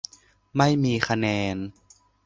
ไม่มีคะแนน